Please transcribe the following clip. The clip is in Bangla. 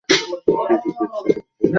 কিছু ফিরছে, কিছু ঢুকছে।